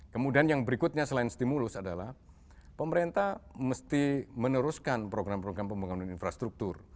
kemudian yang berikutnya selain stimulus adalah pemerintah mesti meneruskan program program pembangunan infrastruktur